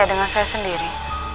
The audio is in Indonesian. iya dengan saya sendiri